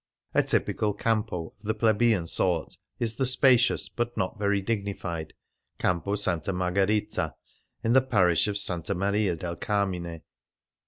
A typical campo of the plebeian sort is the spacious, but not very dignified, Campo S. Margherita, in the parish of S. Maria del Caimine.